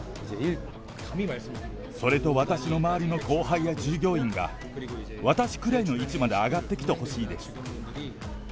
それと私の周りの後輩や従業員が、私くらいの位置まで上がってきてほしいです。